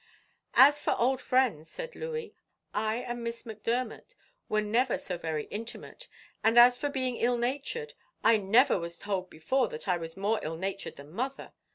"As for old friends," said Louey, "I and Miss Macdermot were never so very intimate; and as for being ill natured, I never was told before that I was more ill natured than mother.